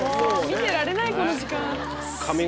見てられないこの時間。